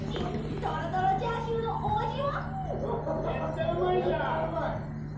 とろとろチャーシューのお味は？